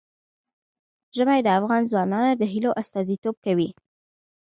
ژمی د افغان ځوانانو د هیلو استازیتوب کوي.